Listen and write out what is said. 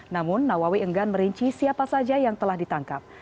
namun nawawi enggan merinci siapa saja yang telah ditangkap